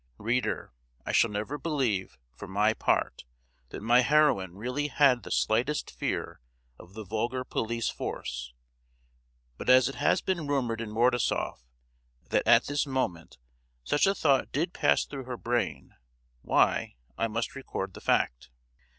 (Reader, I shall never believe, for my part, that my heroine really had the slightest fear of the vulgar police force; but as it has been rumoured in Mordasoff that at this moment such a thought did pass through her brain, why, I must record the fact.)